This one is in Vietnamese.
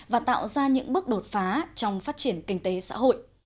và tạo ra những bước đột phá trong phát triển kinh tế xã hội